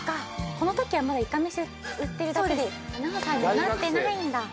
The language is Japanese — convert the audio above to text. この時はまだいかめし売ってるだけでアナウンサーにはなってないんだ。